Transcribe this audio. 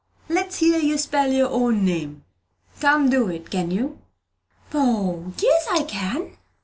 "Let's hear you spell your own name. Can't do it, can you?" "Poh! yes, I can!